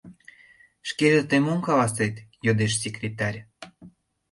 — Шкеже тый мом каласет? — йодеш секретарь.